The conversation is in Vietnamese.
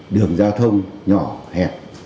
đường giao thông nhỏ hẹp